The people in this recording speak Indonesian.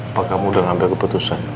apakah kamu udah ngambil keputusan